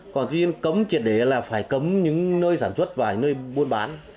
còn tuy nhiên cấm triệt để là phải cấm những nơi sản xuất và những nơi buôn bán